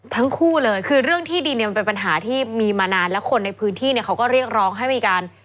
ทั้งคู่เลยคือเรื่องที่ดินเนี่ยมันเป็นปัญหาที่มีมานานแล้วคนในพื้นที่เนี่ยเขาก็เรียกร้องให้มีการ